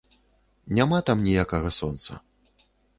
Няма там ніякага сонца.